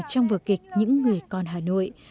trong vừa kịch những người con hà nội